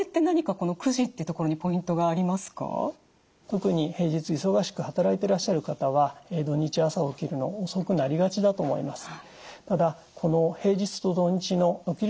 特に平日忙しく働いてらっしゃる方は土日朝起きるの遅くなりがちだと思います。